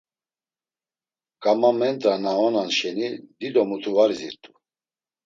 Gamamendra na onan şeni dido muti var izirt̆u.